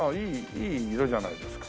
いい色じゃないですか